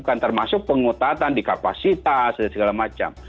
bukan termasuk penguatan di kapasitas dan segala macam